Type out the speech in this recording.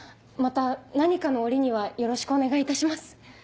また何かの折にはよろしくお願いいたします。